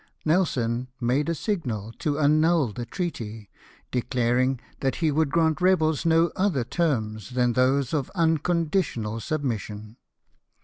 Nelson made a signal to annul the treaty, declaring that he would grant rebels no other terms than those of unconditional submission.